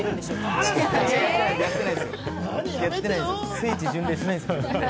聖地巡礼しないですよ。